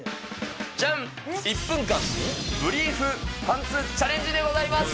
じゃん、１分間ブリーフパンツチャレンジでございます。